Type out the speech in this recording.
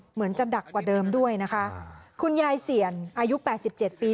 เหมือนจะหนักกว่าเดิมด้วยนะคะคุณยายเสี่ยงอายุแปดสิบเจ็ดปี